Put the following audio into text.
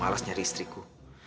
malas nyari istriku